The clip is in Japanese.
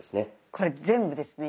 これ全部ですね